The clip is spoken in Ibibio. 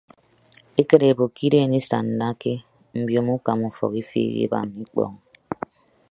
Ekịt ebo ke ideen isaanake mbiomo ukama ufọk ifiik ibaan ikpọọñ.